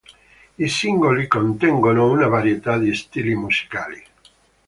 I singoli contengono una varietà di stili musicali.